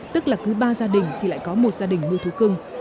tức là cứ ba gia đình thì lại có một gia đình mua thú cưng